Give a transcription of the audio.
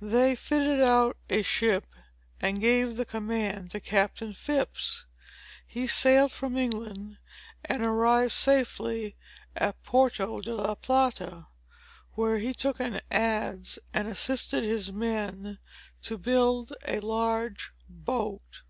They fitted out a ship and gave the command to Captain Phips. He sailed from England, and arrived safely at Porto de la Plata, where he took an adze and assisted his men to build a large boat.